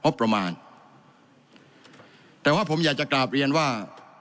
ประมาณแต่ว่าผมอยากจะกราบเรียนว่า